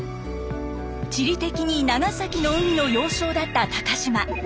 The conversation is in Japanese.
地理的に長崎の海の要衝だった高島。